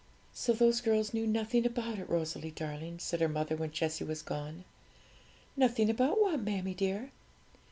'So those girls knew nothing about it, Rosalie darling,' said her mother, when Jessie was gone. 'Nothing about what, mammie dear?'